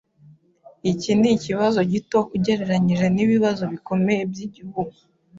Iki nikibazo gito ugereranije nibibazo bikomeye byigihugu.